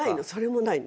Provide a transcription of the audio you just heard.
ないの。